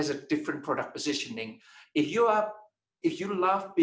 setiap produk memiliki posisi produk yang berbeda